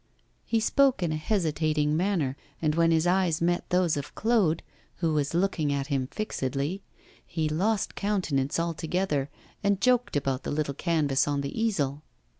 He spoke in a hesitating manner, and when his eyes met those of Claude, who was looking at him fixedly, he lost countenance altogether, and joked about the little canvas on the easel.